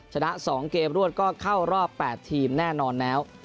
ชนะ๒เกมรวดก็เข้ารอบ๘ทีมแน่นอนแล้ว